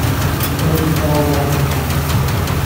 Ur asen-ttɛawadeɣ assebded.